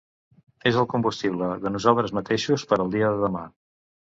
És el combustible de nosaltres mateixos per al dia de demà.